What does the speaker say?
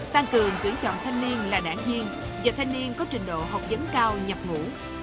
tăng cường tuyển chọn thanh niên là đảng viên và thanh niên có trình độ học dấn cao nhập ngũ